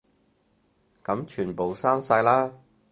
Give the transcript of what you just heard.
噉全部刪晒啦